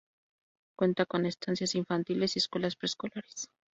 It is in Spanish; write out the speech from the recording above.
Cuenta con estancias infantiles y escuelas preescolares.